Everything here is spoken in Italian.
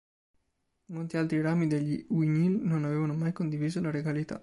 Molti altri rami degli Uí Néill non avevano mai condiviso la regalità.